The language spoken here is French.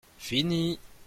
Fini